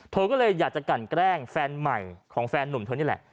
เธอก็เลยอยากจะกันแกล้งแฟนใหม่ของแฟนนุ่มเธอนี่แหละ